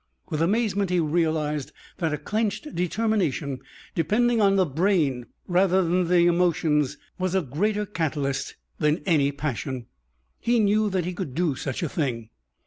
With amazement he realized that a clenched determination depending on the brain rather than the emotions was a greater catalyst than any passion. He knew that he could do such a thing.